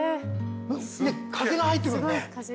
風が入ってくんね。